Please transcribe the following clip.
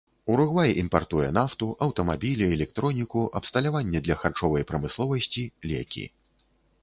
Уругвай імпартуе нафту, аўтамабілі, электроніку, абсталяванне для харчовай прамысловасці, лекі.